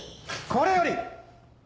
これより！